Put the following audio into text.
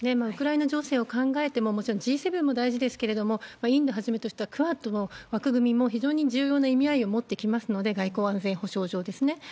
ウクライナ情勢を考えても、もちろんＧ７も大事ですけれども、インドはじめとしたクアッドの枠組みも非常に重要な意味合いを持ってきますので、外交安全保障上ですね。